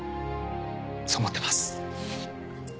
そう思ってます。